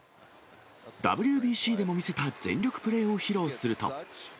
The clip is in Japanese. ＷＢＣでも見せた全力プレーを披露すると。